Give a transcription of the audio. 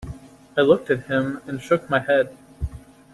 I looked at him and shook my head.